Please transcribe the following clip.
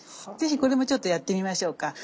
是非これもちょっとやってみましょうか。